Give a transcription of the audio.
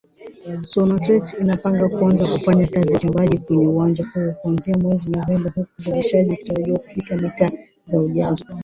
Sonatrach inapanga kuanza kufanya kazi ya uchimbaji kwenye uwanja huo kuanzia mwezi Novemba huku uzalishaji ukitarajiwa kufikia mita za ujazo